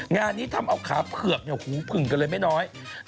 งานนี้ทำเอาขาเผือกหูผึ่งกันเลยไม่น้อย